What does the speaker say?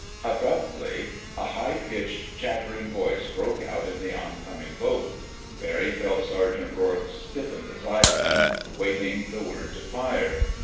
Abruptly a high pitched, chattering voice broke out in the oncoming boat. Barry felt Sergeant Rourke stiffen beside him, waiting the word to fire.